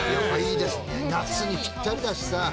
夏にぴったりだしさ。